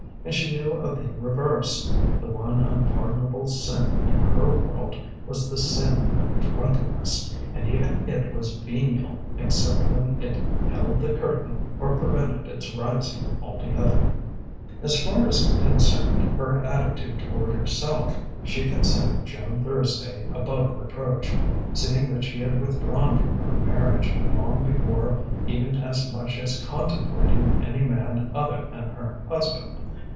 And she knew of the reverse. The one unpardonable sin in her world was the sin of drunkenness, and even it was venial except when it "held the curtain" or prevented its rising altogether. As far as concerned her attitude toward herself, she considered Joan Thursday above reproach, seeing that she had withdrawn from her marriage long before even as much as contemplating any man other than her husband.